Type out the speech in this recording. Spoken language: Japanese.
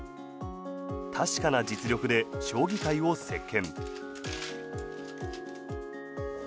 確かな実力で将棋界を席巻。